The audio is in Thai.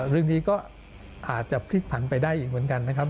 เรื่องนี้ก็อาจจะพลิกผันไปได้อีกเหมือนกันนะครับ